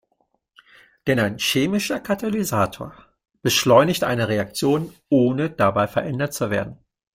Denn ein chemischer Katalysator beschleunigt eine Reaktion, ohne dabei verändert zu werden.